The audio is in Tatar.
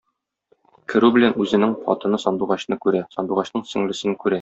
Керү белән, үзенең хатыны Сандугачны күрә, Сандугачның сеңлесен күрә.